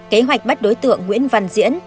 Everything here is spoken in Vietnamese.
kế hoạch bắt đối tượng nguyễn văn diễn